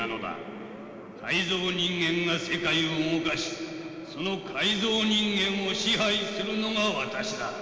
改造人間が世界を動かしその改造人間を支配するのが私だ。